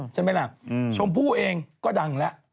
ฉันบอกแล้วชมผู้เองก็ดังแล้ว